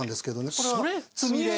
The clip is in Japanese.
これはつみれ。